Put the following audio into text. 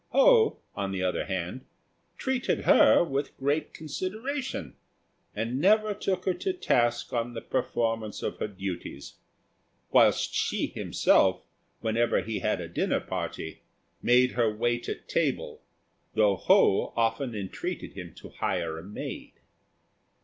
Ho, on the other hand, treated her with great consideration, and never took her to task on the performance of her duties; whilst Hsi himself, whenever he had a dinner party, made her wait at table, though Ho often entreated him to hire a maid.